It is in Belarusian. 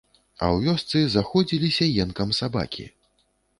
А ў вёсцы заходзіліся енкам сабакі.